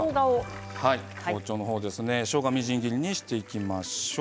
しょうがみじん切りにしていきましょう。